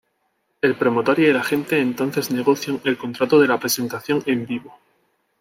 El promotor y el agente entonces negocian el contrato de la presentación en vivo.